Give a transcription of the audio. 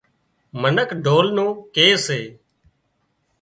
منک ڍول نُون ڪي سي